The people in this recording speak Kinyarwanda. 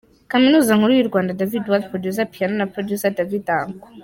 Kaminuza Nkuru yu Rwanda, David Wad, producer Piano na producer Davydanko.